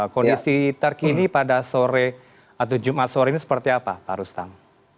kondisi terkini pada sore atau jumat sore ini seperti apa pak rustam